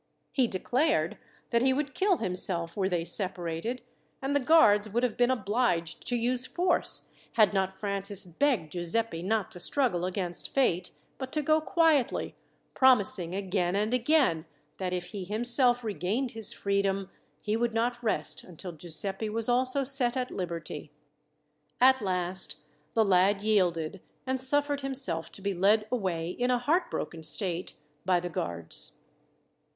He declared that he would kill himself were they separated; and the guards would have been obliged to use force, had not Francis begged Giuseppi not to struggle against fate, but to go quietly, promising again and again that, if he himself regained his freedom, he would not rest until Giuseppi was also set at liberty. At last the lad yielded, and suffered himself to be led away, in a heartbroken state, by the guards.